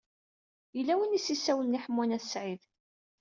Yella win i s-isawlen i Ḥemmu n At Sɛid.